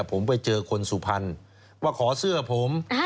ผมไปเจอคนสุพรรณมาขอเสื้อผม